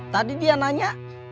tadi dia nanya